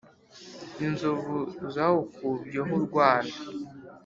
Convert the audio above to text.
inzovu zawukubyeho urwano,